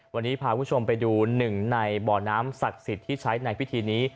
วันนี้พาคุณผู้ชมไปดูหนึ่งในบ่อน้ำศักดิ์สิทธิ์ที่ใช้ในพิธีนี้